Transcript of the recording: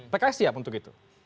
pks siap untuk itu